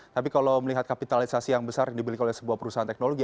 tapi kalau melihat kapitalisasi yang besar yang dibelikan oleh sebuah perusahaan teknologi